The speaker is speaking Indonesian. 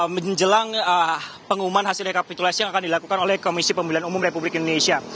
menjelang pengumuman hasil rekapitulasi yang akan dilakukan oleh komisi pemilihan umum republik indonesia